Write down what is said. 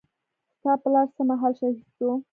ستا پلار څه مهال شهيد سو.